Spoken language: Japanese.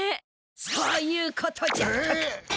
そういうことじゃったか。